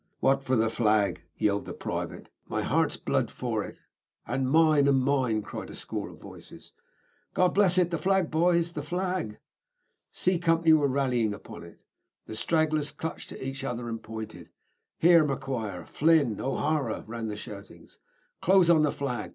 "What for the flag?" yelled the private. "My heart's blood for it! and mine! and mine!" cried a score of voices. "God bless it! The flag, boys the flag!" C Company were rallying upon it. The stragglers clutched at each other, and pointed. "Here, McQuire, Flynn, O'Hara," ran the shoutings. "Close on the flag!